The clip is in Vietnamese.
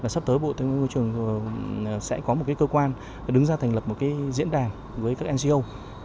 sắp tới bộ tài nguyên môi trường sẽ có một cơ quan đứng ra thành lập một diễn đàn với các ngo